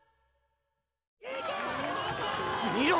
見ろ